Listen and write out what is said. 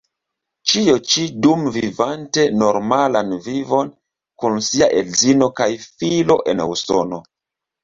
Ĉio ĉi dum vivante normalan vivon kun sia edzino kaj filo en Usono.